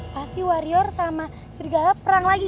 pasti warrior sama serigala perang lagi